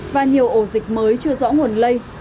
và nhiều ổ dịch mới chưa rõ nguồn lây